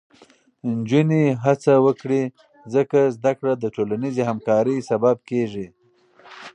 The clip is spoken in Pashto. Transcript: نجونې هڅه وکړي، ځکه زده کړه د ټولنیزې همکارۍ سبب کېږي.